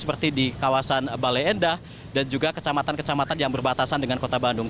seperti di kawasan bale endah dan juga kecamatan kecamatan yang berbatasan dengan kota bandung